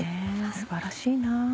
素晴らしいな。